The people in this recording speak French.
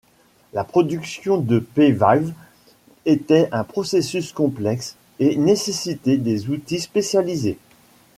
La production de P-valves était un processus complexe et nécessitait des outils spécialisés.